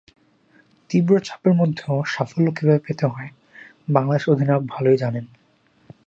তীব্র চাপের মধ্যেও সাফল্য কীভাবে পেতে হয়, বাংলাদেশ অধিনায়ক ভালোই জানেন।